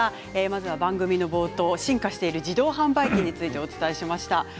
まずは番組の冒頭進化している自動販売機についてお伝えしました。